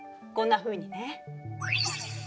こんなふうにね。